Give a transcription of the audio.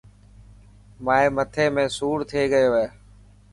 مائي مثي ۾ سوڙ ٿي گيو هي.